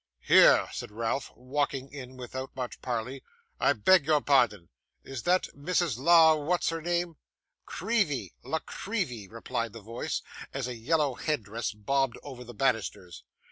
'Here,' said Ralph, walking in without more parley, 'I beg your pardon; is that Mrs. La what's her name?' 'Creevy La Creevy,' replied the voice, as a yellow headdress bobbed over the banisters.